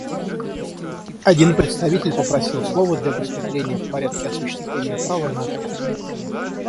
Один представитель попросил слова для выступления в порядке осуществления права на ответ.